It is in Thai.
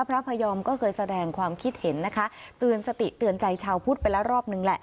พระพยอมก็เคยแสดงความคิดเห็นนะคะเตือนสติเตือนใจชาวพุทธไปแล้วรอบนึงแหละ